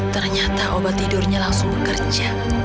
ternyata obat tidurnya langsung bekerja